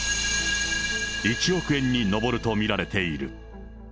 １億円に上ると見られている。